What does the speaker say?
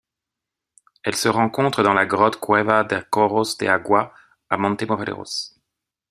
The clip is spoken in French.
Elle se rencontre dans la grotte Cueva de Chorros de Agua à Montemorelos.